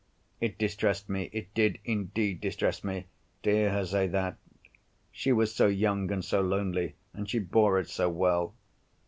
It distressed me, it did indeed distress me, to hear her say that. She was so young and so lonely—and she bore it so well!